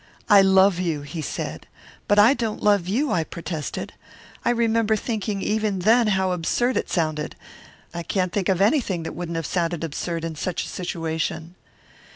"'I love you,' he said. "'But I don't love you,' I protested. I remember thinking even then how absurd it sounded. I can't think of anything that wouldn't have sounded absurd in such a situation.